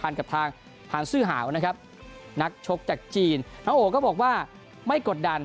น้องโอ๋ก็บอกว่าไม่กดดัน